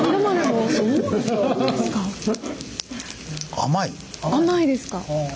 甘いですか。